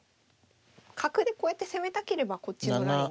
角でこうやって攻めたければこっちのラインに。